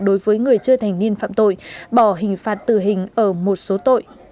đối với người chưa thành niên phạm tội bỏ hình phạt tử hình ở một số tội